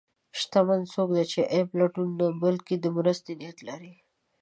شتمن څوک دی چې د عیب لټون نه، بلکې د مرستې نیت لري.